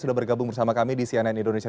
sudah bergabung bersama kami di cnn indonesia